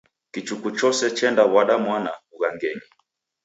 Kichuku chose chendaw'ada mwana w'ughangenyi.